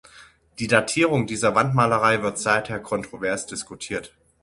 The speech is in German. Die Datierung dieser Wandmalerei wird seither kontrovers diskutiert.